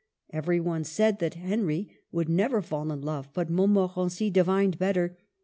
Every one said that Henry would never fall in love ; but Montmorency divined better.